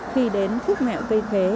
khi đến khúc mẹo cây khế